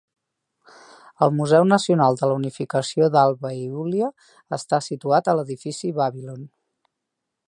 El Museu Nacional de la Unificació d'Alba Iulia està situat a l'edifici "Babylon".